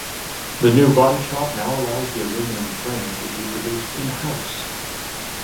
The new body shop now allows the aluminum frame to be produced in-house.